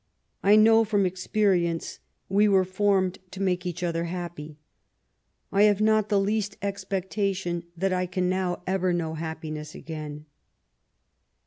I know from experience we were formed to make each other happy. I have not the least expectation that I can now ever know happiness again."